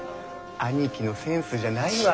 兄貴のセンスじゃないわ。